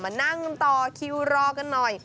มานั่งต่อคิวรอกันหน่อย